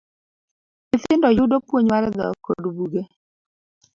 Nyithindo yudo puonj mar dhok kod buge.